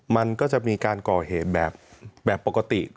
มันก็จะมีการก่อเหตุแบบปกติ